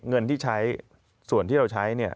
เงินที่ใช้ส่วนที่เราใช้